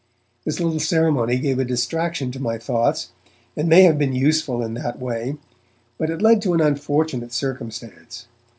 This little ceremony gave a distraction to my thoughts, and may have been useful in that way. But it led to an unfortunate circumstance.